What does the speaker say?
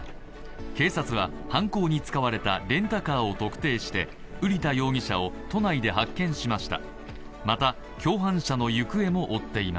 警察は犯行に使われたレンタカーを特定して瓜田容疑者を都内で発見しました。